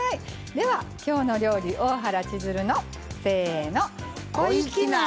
では「きょうの料理」大原千鶴のせの！